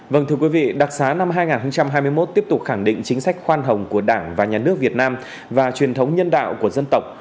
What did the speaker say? vâng thưa quý vị đặc xá năm hai nghìn hai mươi một tiếp tục khẳng định chính sách khoan hồng của đảng và nhà nước việt nam và truyền thống nhân đạo của dân tộc